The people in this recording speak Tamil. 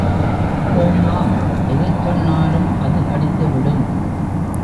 போம்மா, எதைச் சொன்னாலும், அது கடித்துவிடும்.